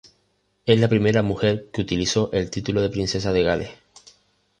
Es la primera mujer que utilizó el título de princesa de Gales.